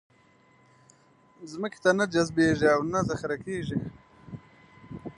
ځمکې ته نه جذبېږي او نه ذخېره کېږي.